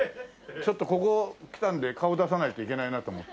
ちょっとここ来たんで顔出さないといけないなと。